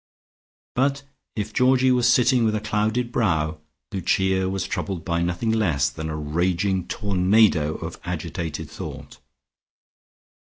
But if Georgie was sitting with a clouded brow, Lucia was troubled by nothing less than a raging tornado of agitated thought.